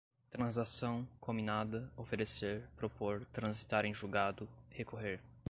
transação, cominada, oferecer, propor, transitar em julgado, recorrer